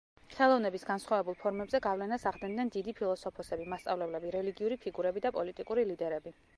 ხელოვნების განსხვავებულ ფორმებზე გავლენას ახდენდნენ დიდი ფილოსოფოსები, მასწავლებლები, რელიგიური ფიგურები და პოლიტიკური ლიდერები.